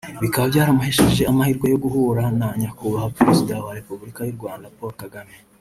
Bikaba byaramuhesheje amahirwe yo guhura na nyakubahwa perezida wa Republika y’u Rwanda Paul Kagame